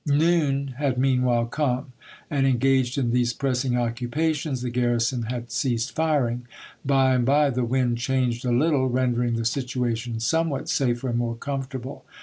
Noon had meanwhile come, and, en gaged in these pressing occupations, the garrison had ceased firing. By and by the wind changed a httle, rendering the situation somewhat safer and more comfortable.